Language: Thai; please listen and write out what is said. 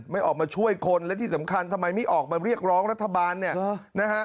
ไม่ออกมาช่วยคนและที่สำคัญทำไมไม่ออกมาเรียกร้องรัฐบาลเนี่ยนะฮะ